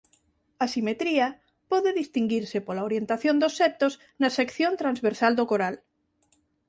A simetría pode distinguirse pola orientación dos septos na sección transversal do coral.